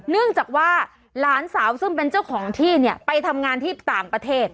เนื่องจากว่าหลานสาวซึ่งเป็นเจ้าของที่เนี่ยไปทำงานที่ต่างประเทศ